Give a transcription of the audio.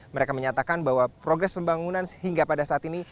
mereka menyatakan bahwa progres pembangunan sehingga pada saat ini